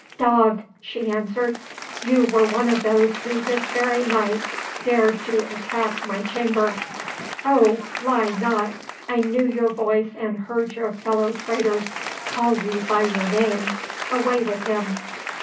"Dog!" she answered, "you were one of those who this very night dared to attack my chamber. Oh! lie not, I knew your voice and heard your fellow traitors call you by your name. Away with him!"